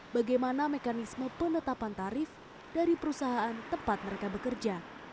bagaimana mekanisme penetapan tarif dari perusahaan tempat mereka bekerja